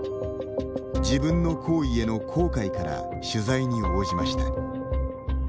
自分の行為への後悔から取材に応じました。